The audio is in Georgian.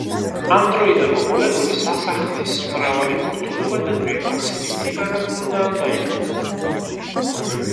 ამ დროიდან მოყოლებული სასახლის მრავალი მორთულობა და ძვირფასი ნივთი განადგურდა ან დაიკარგა.